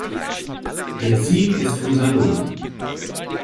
Der Sieg ist unser Lohn.